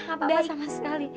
gak apa apa sama sekali